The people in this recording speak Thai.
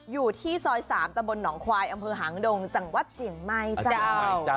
อยู่ที่ซอย๓ตะบนหนองควายอำเภอหางดงจังหวัดเจียงใหม่เจ้า